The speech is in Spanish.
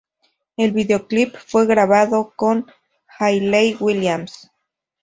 El videoclip fue grabado con Hayley Williams.